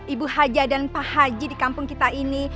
ibu haja dan pak haji di kampung kita ini